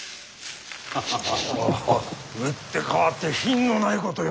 打って変わって品のないことよ。